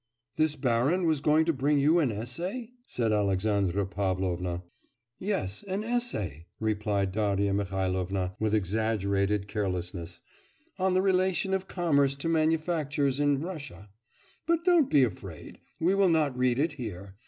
'This baron was going to bring you an essay?' said Alexandra Pavlovna. 'Yes, an essay,' replied Darya Mihailovna, with exaggerated carelessness, 'on the relation of commerce to manufactures in Russia. ... But don't be afraid; we will not read it here....